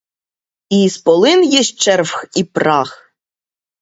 І ісполин єсть черв і прах.